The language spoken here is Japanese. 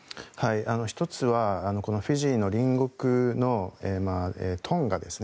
１つはフィジーの隣国のトンガですね。